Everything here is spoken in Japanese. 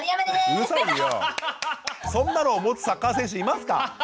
そんなのを持つサッカー選手いますか？